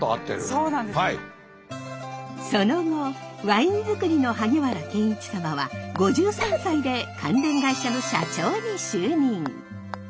その後ワイン作りの萩原健一サマは５３歳で関連会社の社長に就任。